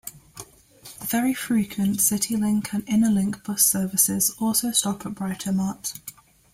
The very frequent City Link and Inner Link bus services also stop at Britomart.